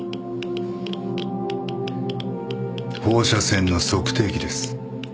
放射線の測定器です。